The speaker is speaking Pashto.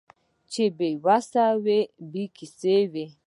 چې بې وسه وي بې کسه وي